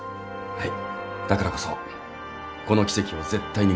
はい！